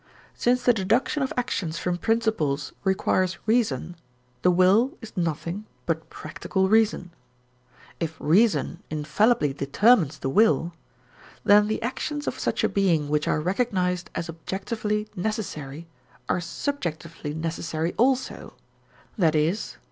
Since the deduction of actions from principles requires reason, the will is nothing but practical reason. If reason infallibly determines the will, then the actions of such a being which are recognised as objectively necessary are subjectively necessary also, i.e.